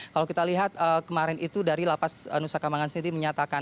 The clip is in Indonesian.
kalau kita lihat kemarin itu dari lapas nusa kambangan sendiri menyatakan